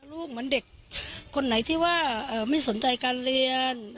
เหมือนเด็กคนไหนที่ว่าไม่สนใจการเรียน